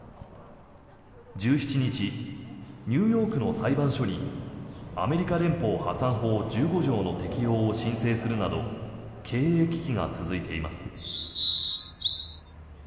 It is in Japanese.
１７日、ニューヨークの裁判所にアメリカ連邦破産法１５条の適用を申請するなど経営危機が続いています。